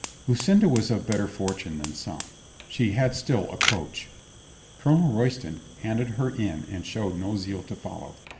Lucinda was of better fortune than some. She had still a coach. Colonel Royston handed her in and showed no zeal to follow.